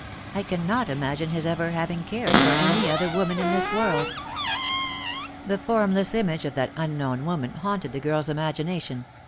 I cannot imagine his ever having cared for any other woman in this world." The formless image of that unknown woman haunted the girl's imagination.